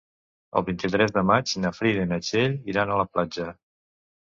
El vint-i-tres de maig na Frida i na Txell iran a la platja.